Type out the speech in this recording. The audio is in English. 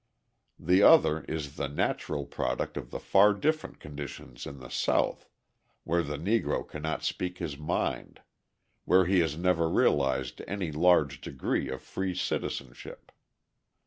The other is the natural product of the far different conditions in the South, where the Negro cannot speak his mind, where he has never realised any large degree of free citizenship.